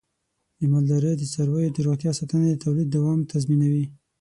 د مالدارۍ د څارویو د روغتیا ساتنه د تولید دوام تضمینوي.